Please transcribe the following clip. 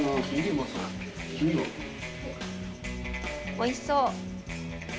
おいしそう。